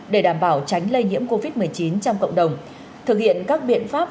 để đảm bảo tránh lây nhiễm covid một mươi chín trong cộng đồng thực hiện các biện pháp